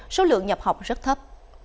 số lượng nhập học rất thấp